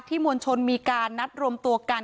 มวลชนมีการนัดรวมตัวกัน